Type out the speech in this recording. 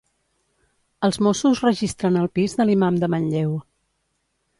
Els Mossos registren el pis de l'imam de Manlleu.